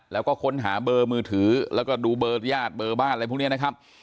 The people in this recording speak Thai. แล้วก็ค้นหาเบอร์มือถือแล้วก็ดูเบอร์ญาติเบอร์บ้านอะไรพวกนี้นะครับ